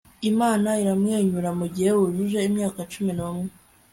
imana iramwenyura mugihe wujuje imyaka cumi n'umwe